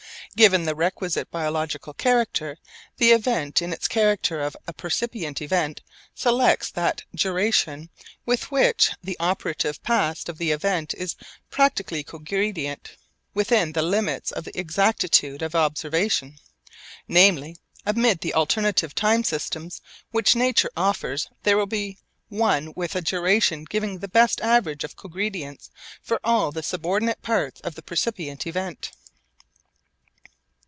Given the requisite biological character, the event in its character of a percipient event selects that duration with which the operative past of the event is practically cogredient within the limits of the exactitude of observation. Namely, amid the alternative time systems which nature offers there will be one with a duration giving the best average of cogredience for all the subordinate parts of the percipient event.